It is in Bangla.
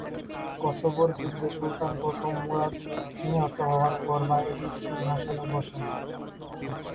কসোভোর যুদ্ধে সুলতান প্রথম মুরাদ নিহত হওয়ার পর বায়েজীদ সিংহাসনে বসেন।